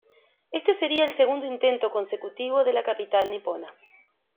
Este sería el segundo intento consecutivo de la capital nipona.